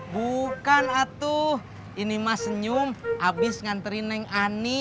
bukan atuh ini mah senyum habis ngantri neng ani